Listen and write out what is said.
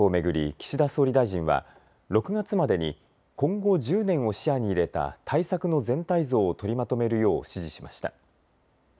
岸田総理大臣は６月までに今後１０年を視野に入れた対策の全体像を取りまとめるよう指示しました。